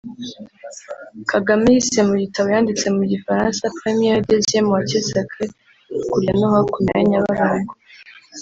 Kagame yise mu gitabo yanditse mu gifaransa “Première et Deuxième Moitié Sacrées” (hakurya no Hakuno ya Nyabarongo)